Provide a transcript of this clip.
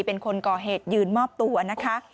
เป็นคนก่อเหตุยืนมอบตัวนะคะ